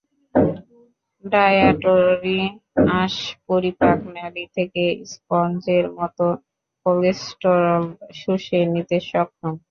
Dietary আঁশ পরিপাক নালি থেকে স্পঞ্জের মতো কোলেস্টেরল শুষে নিতে সক্ষম।